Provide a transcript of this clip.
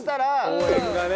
応援がね。